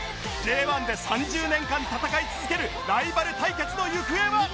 Ｊ１ で３０年間戦い続けるライバル対決の行方は？